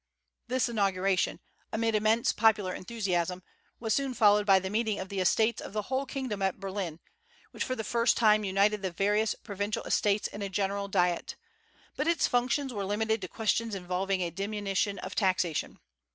This inauguration, amid immense popular enthusiasm, was soon followed by the meeting of the Estates of the whole kingdom at Berlin, which for the first time united the various Provincial Estates in a general Diet; but its functions were limited to questions involving a diminution of taxation.